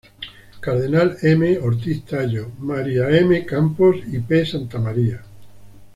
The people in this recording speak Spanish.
Cardenal, M. Ortiz-Tallo, M.ª M. Campos y P. Santamaría.